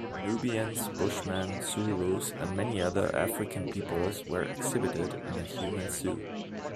Nubians, Bushmen, Zulus and many other African peoples were "exhibited" in a human zoo.